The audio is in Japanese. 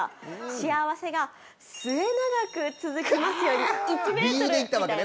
幸せが末永く続きますように１メートルみたいな。